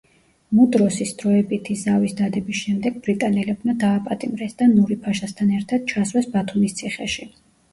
მუდროსის დროებითი ზავის დადების შემდეგ ბრიტანელებმა დააპატიმრეს და ნური ფაშასთან ერთად ჩასვეს ბათუმის ციხეში.